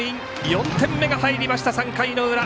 ４点目が入りました、３回の裏。